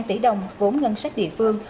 một tỷ đồng vốn ngân sách địa phương